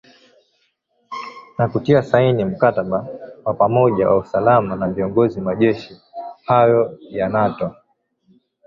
na kutia saini mkataba wa pamoja wa usalama na viongozi majeshi hayo ya nato